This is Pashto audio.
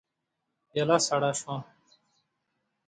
پياله سړه شوه.